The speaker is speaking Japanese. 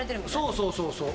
そうそうそうそう。